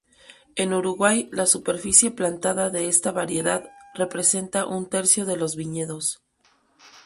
En Uruguay, la superficie plantada de esta variedad, representa un tercio de los viñedos.